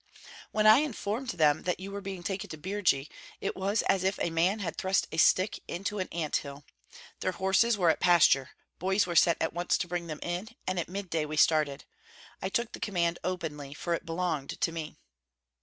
When I informed them that you were being taken to Birji, it was as if a man had thrust a stick into an ant hill. Their horses were at pasture; boys were sent at once to bring them in, and at midday we started. I took the command openly, for it belonged to me."